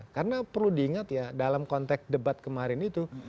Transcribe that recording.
karena perlu diingat ya dalam konteks debat kemarin itu